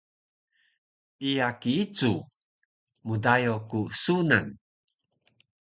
Iya kiicu! Mdayo ku sunan